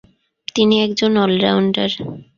তিনি একজন অলরাউন্ডার।